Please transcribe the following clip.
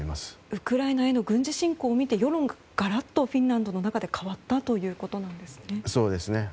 ウクライナへの軍事侵攻を見て世論がフィンランドの中で変わったということですね。